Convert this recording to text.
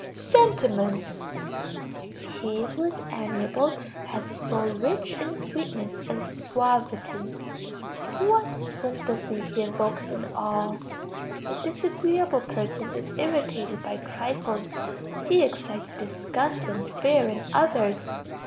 Sentiments. He who is amiable has a soul rich in sweetness and suavity. What sympathy he evokes in all! The disagreeable person is irritated by trifles. He excites disgust and fear in others.